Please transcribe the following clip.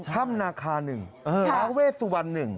ธรรมนาคาหนึ่งท้าวเวชวรหนึ่ง